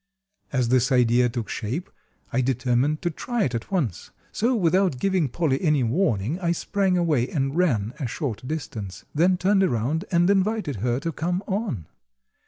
As this idea took shape, I determined to try it at once. So, without giving Polly any warning, I sprang away and ran a short distance, then turned around and invited her to come on.